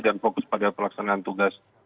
dan fokus pada pelaksanaan tugas